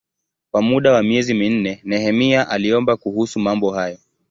Kwa muda wa miezi minne Nehemia aliomba kuhusu mambo hayo.